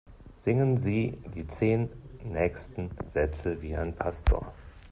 Singen Sie die zehn nächsten Sätze wie ein Pastor!